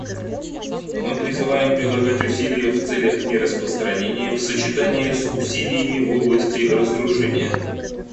Мы призываем прилагать усилия в целях нераспространения в сочетании с усилиями в области разоружения.